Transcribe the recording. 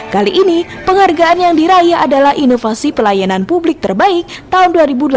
kali ini penghargaan yang diraya adalah inovasi pelayanan publik terbaik tahun dua ribu delapan belas